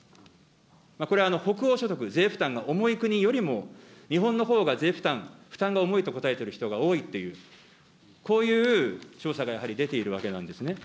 これ、北欧諸国、税負担が重い国よりも、日本のほうが税負担、負担が重いと答えている人が多いという、こういう調査がやはり出ているわけなんですね。